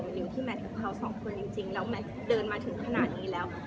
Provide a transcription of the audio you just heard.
อยู่ที่แมทกับเขาสองคนจริงแล้วแมทเดินมาถึงขนาดนี้แล้ว